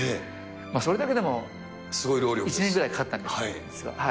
それだけでも１年くらいかかったんです、実は。